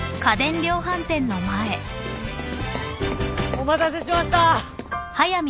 お待たせしました！